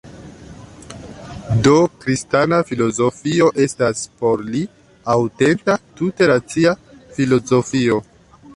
Do kristana filozofio estas, por li, aŭtenta tute racia filozofio.